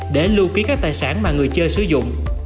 để lưu ký các tài sản mà người chơi sử dụng